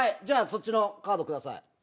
じゃあそっちのカードください。